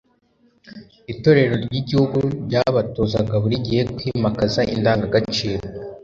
itorero ry'igihugu, ryabatozaga buri gihe kwimakaza indangagaciro